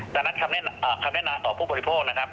ด้านนั้นคำแนะต่อผู้ผลิตโพครนะครับ